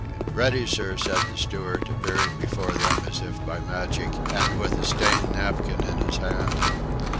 "Ready, sir," said the steward, appearing before them as if by magic and with a stained napkin in his hand.